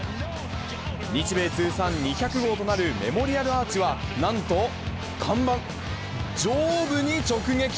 日米通算２００号となるメモリアルアーチは、なんと看板上部に直撃。